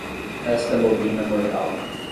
Esta bobina mortal